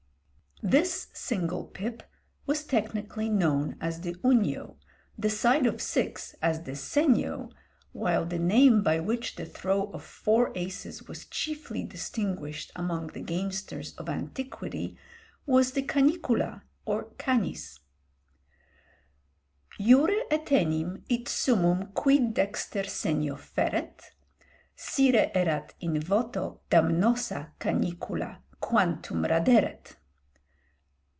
This single pip was technically known as the unio, the side of six as the senio; while the name by which the throw of four aces was chiefly distinguished among the gamesters of antiquity was the canicula or canis. "Jure etenim id summum quid dexter senio ferret Scire erat in voto, damnosa canicula quantum Raderet."